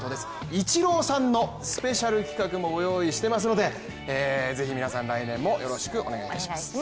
イチローさんのスペシャル企画もご用意していますのでぜひ皆さん来年もよろしくお願いします。